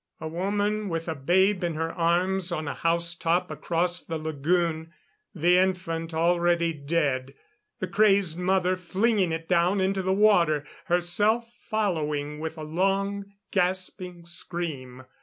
a woman with a babe in her arms on a housetop across the lagoon the infant already dead; the crazed mother flinging it down into the water, herself following with a long, gasping scream...